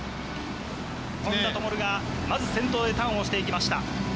本多灯がまず先頭へターンしていきました。